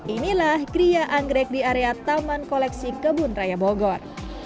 inilah kria anggrek di area taman koleksi kebun raya bogor